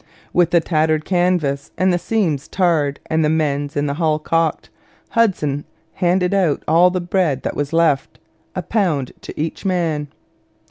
With the tattered canvas and the seams tarred and the mends in the hull caulked, Hudson handed out all the bread that was left a pound to each man.